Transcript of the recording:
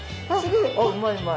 あっうまいうまい！